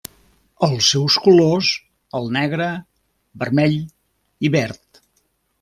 Els seus colors el negre, vermell i verd.